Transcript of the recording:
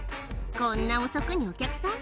こんな遅くにお客さん。